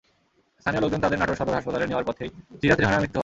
স্থানীয় লোকজন তাঁদের নাটোর সদর হাসপাতালে নেওয়ার পথেই জিনাত রেহানার মৃত্যু হয়।